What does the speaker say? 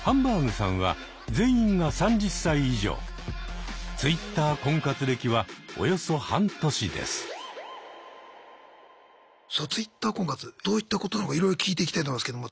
さあＴｗｉｔｔｅｒ婚活どういったことなのかいろいろ聞いていきたいと思いますけども。